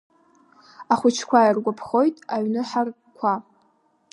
Ахәыҷқәа иргәаԥхоит аҩны ҳаракқәа.